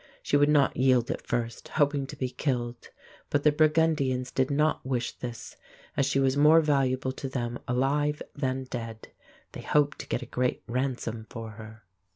She would not yield at first, hoping to be killed; but the Burgundians did not wish this, as she was more valuable to them alive than dead. They hoped to get a great ransom for her.